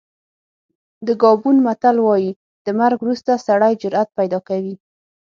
د ګابون متل وایي د مرګ وروسته سړی جرأت پیدا کوي.